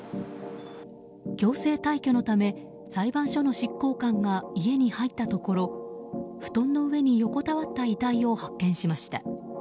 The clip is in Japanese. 強制退去のため裁判所の執行官が家に入ったところ布団の上に横たわった遺体を発見しました。